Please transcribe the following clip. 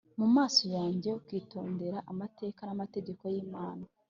mu maso yanjye ukitondera amateka n amategeko yimana